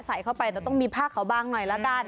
ใส่เข้าไปแต่ต้องมีผ้าขาวบางหน่อยละกัน